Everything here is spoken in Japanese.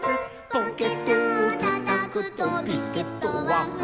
「ポケットをたたくとビスケットはふたつ」